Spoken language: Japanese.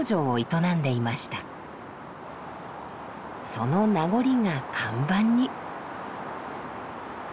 その名残が看板に。